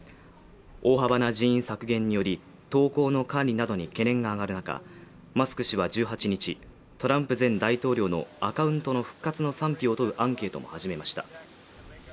大幅な人員削減により投稿の管理などに懸念が上がる中マスク氏は１８日トランプ前大統領のアカウントの復活の賛否を問うアンケートを始めました